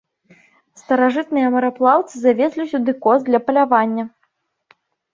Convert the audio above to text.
Старажытныя мараплаўцы завезлі сюды коз для палявання.